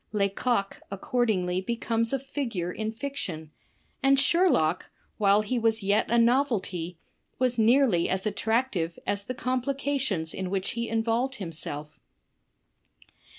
Lecoq accordingly becomes a figure in fiction, and Sherlock, while he was yet a novelty, was nearly as attractive as the complications in which he involved himself.